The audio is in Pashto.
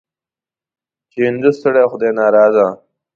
چې هندو ستړی او خدای ناراضه.